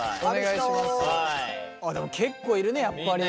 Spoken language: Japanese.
でも結構いるねやっぱり。